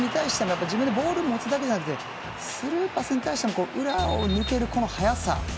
自分でボール持つだけじゃなくてスルーパスに対しても裏を抜ける速さ。